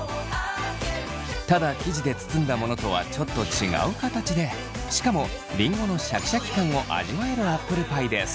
ただ生地で包んだものとはちょっと違う形でしかもりんごのシャキシャキ感を味わえるアップルパイです。